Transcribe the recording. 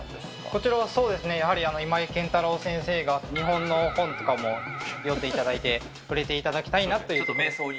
こちらはそうですね、やはり今井健太郎先生が日本の本とかも読んでいただいて、触れていただきたいなという。